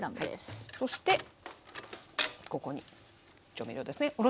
そしてここに調味料ですね。